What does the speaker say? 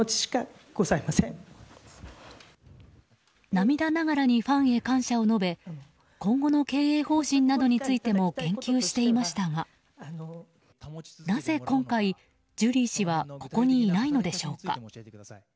涙ながらにファンへ感謝を述べ今後の経営方針などについても言及していましたがなぜ今回、ジュリー氏はここにいないのでしょうか。